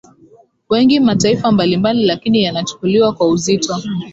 wengi mataifa mbalimbali lakini yanachukuliwa kwa uzito